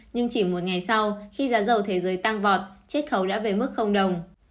nhưng chỉ một ngày sau khi giá dầu thế giới tăng vọt chết khấu đã về mức đồng